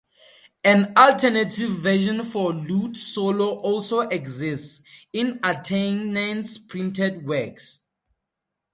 An alternative version for lute solo also exists, in Attaingnant's printed works.